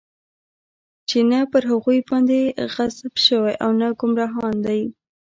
چې نه پر هغوى باندې غضب شوى او نه ګمراهان دی.